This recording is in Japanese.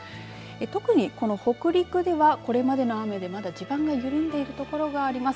特にこの北陸ではこれまでの雨でまだ地盤が緩んでいるところがあります。